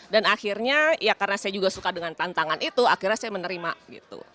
dan akhirnya ya karena saya juga suka dengan tantangan itu akhirnya saya menerima gitu